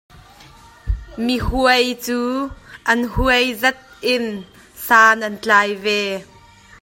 Mihuai cu an huai zat in san an tlai ve.